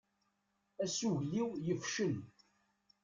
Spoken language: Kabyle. Asugen-iw yefcel.